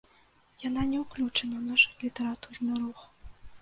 Яна не ўключана ў наш літаратурны рух.